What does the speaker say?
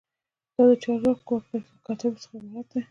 دا د چارواکو له مکاتیبو څخه عبارت دی.